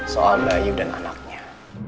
soal mbak ayu dan anaknya